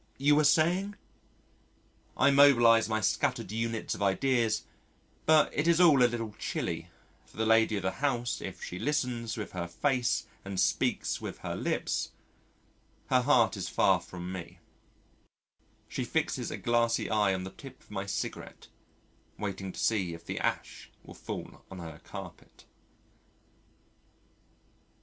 you were saying...." I mobilise my scattered units of ideas but it is all a little chilly for the lady of the house if she listens with her face and speaks with her lips her heart is far from me: she fixes a glassy eye on the tip of my cigarette, waiting to see if the ash will fall on her carpet.